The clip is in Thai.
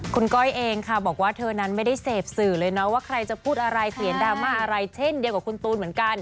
คุณก้อยเองค่ะบอกว่าเธอนั้นไม่ได้เสพสื่อเลยนะว่าใครจะพูดอะไรเขียนดราม่าอะไรเช่นเดียวกับคุณตูนเหมือนกัน